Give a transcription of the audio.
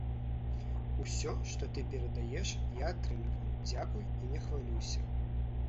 Усё, што ты перадаеш, я атрымліваю, дзякуй і не хвалюйся.